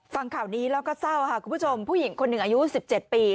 ฟังข่าวนี้แล้วก็เศร้าค่ะคุณผู้ชมผู้หญิงคนหนึ่งอายุ๑๗ปี